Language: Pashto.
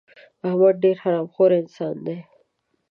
احمد ډېر حرام خور انسان دی.